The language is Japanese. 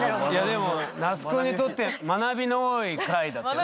でも那須くんにとって学びの多い回だったよね。